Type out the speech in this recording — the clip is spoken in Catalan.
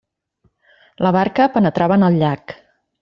La barca penetrava en el llac.